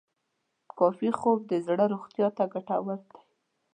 کافي خوب د زړه روغتیا ته ګټور دی.